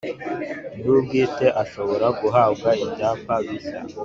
Nyirubwite ashobora guhabwa ibyapa bishya